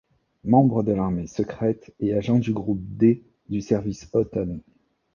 Membre de l'Armée Secrète et agent du groupe D du Service Hotton.